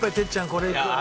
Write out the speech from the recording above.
これいくわ。